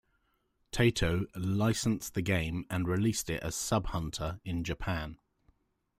Taito licensed the game and released it as Sub Hunter in Japan.